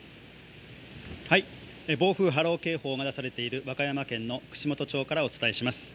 暴風波浪警報が出されている和歌山県の串本町からお伝えします。